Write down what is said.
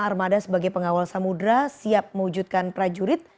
armada sebagai pengawal samudera siap mewujudkan prajurit